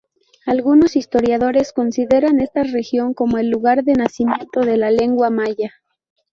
Algunos historiadores consideran esta región como el lugar de nacimiento de la lengua maya.